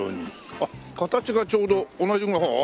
あっ形がちょうど同じぐらい。